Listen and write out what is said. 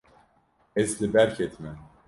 Ez li ber ketime.